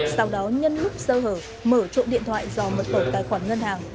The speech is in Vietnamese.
sau đó nhân lúc sơ hở mở trộm điện thoại do mật tổ tài khoản ngân hàng